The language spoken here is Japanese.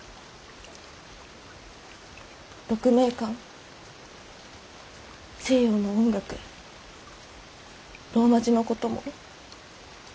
鹿鳴館西洋の音楽ローマ字のことも。